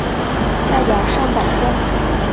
代表上榜中